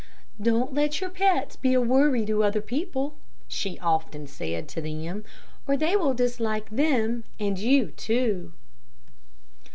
"Don't let your pets be a worry to other people," she often said to them, "or they will dislike them and you too."